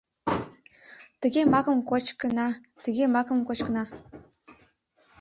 Тыге макым кочкына, тыге макым кочкына.